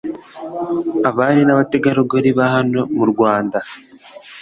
abari na bategarugori bahano mu rwanda